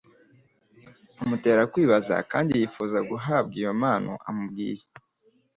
Amutera kwibaza kandi yifuza guhabwa iyo mpano amubwiye.